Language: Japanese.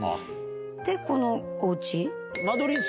でこのおうち。